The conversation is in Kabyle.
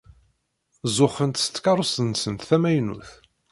Zuxxent s tkeṛṛust-nsent tamaynut.